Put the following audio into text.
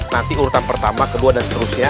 nanti urutan pertama kedua dan seterusnya